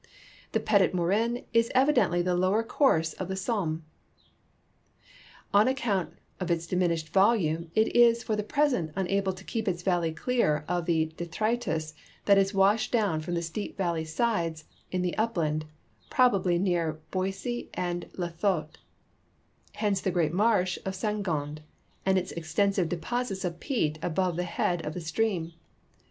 The Petit Morin is evidently the lower course of the Somme. On account of its diminished volume it is for the present unable to keep its valley clear of the detritus that is washed down from the steep valley sides in the upland, proba bly near Boissy and Le Thoult; hence the great marsh of St. Gond and its extensive deposits of ]ieat about the head of the stream.